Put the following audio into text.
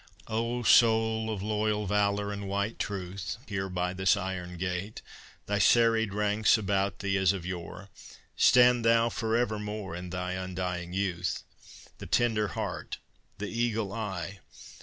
O soul of loyal valor and white truth, Here, by this iron gate, Thy serried ranks about thee as of yore, Stand thou for evermore In thy undying youth! The tender heart, the eagle eye!